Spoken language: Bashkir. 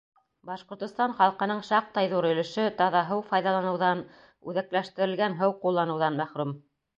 Башҡортостан халҡының шаҡтай ҙур өлөшө таҙа һыу файҙаланыуҙан, үҙәкләштерелгән һыу ҡулланыуҙан мәхрүм.